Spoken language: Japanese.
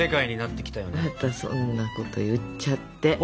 またそんなこと言っちゃって。